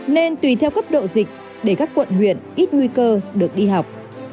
nên tùy theo cấp độ dịch để các quận huyện ít nguy cơ được đi học